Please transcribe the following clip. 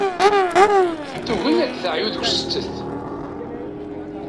Tugi ad teɛyu deg usettet.